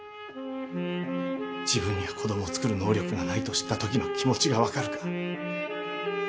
自分に子どもを作る能力がないと知ったときの気持ちが分かるか？